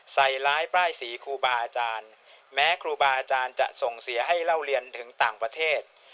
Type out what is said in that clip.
ใส่ร้ายป้ายสีครูบาอาจารย์แม้ครูบาอาจารย์จะส่งเสียให้เล่าเรียนถึงต่างประเทศ